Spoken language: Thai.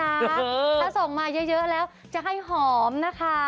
ถ้าส่งมาเยอะแล้วจะให้หอมนะคะ